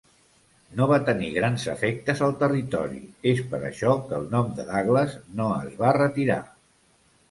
No va tenir grans efectes al territori, és per això que el nom de Douglas no es va retirar.